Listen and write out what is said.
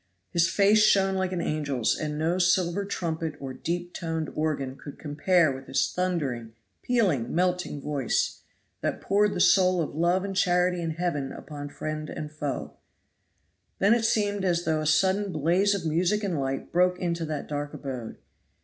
His face shone like an angel's, and no silver trumpet or deep toned organ could compare with his thundering, pealing, melting voice, that poured the soul of love and charity and heaven upon friend and foe. Then seemed it as though a sudden blaze of music and light broke into that dark abode.